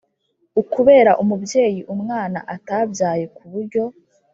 Ukubera umubyeyi umwana utabyaye ku buryo